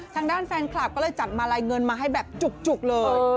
ทางด้านแฟนคลับก็เลยจัดมาลัยเงินมาให้แบบจุกเลย